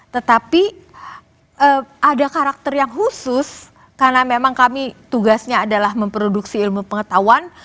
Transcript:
tetapi ada karakter yang khusus karena memang kami tugasnya adalah memproduksi ilmu pengetahuan